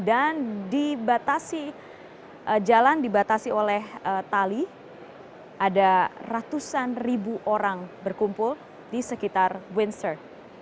dan di batasi jalan di batasi oleh tali ada ratusan ribu orang berkumpul di sekitar windsor